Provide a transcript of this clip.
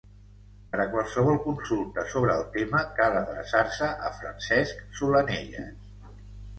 Per a qualsevol consulta sobre el tema cal adreçar-se a Francesc Solanelles.